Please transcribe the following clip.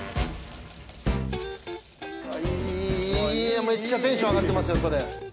いいいいめっちゃテンション上がってますよそれ。